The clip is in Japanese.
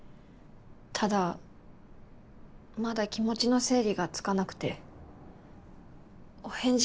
ただまだ気持ちの整理がつかなくてお返事